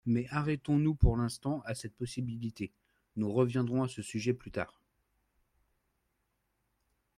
Mais arrêtons-nous pour l’instant à cette possibilité, nous reviendrons à ce sujet plus tard.